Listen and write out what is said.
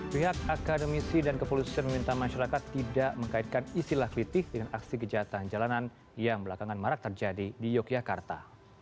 pihak akademisi dan kepolisian meminta masyarakat tidak mengkaitkan istilah kritik dengan aksi kejahatan jalanan yang belakangan marak terjadi di yogyakarta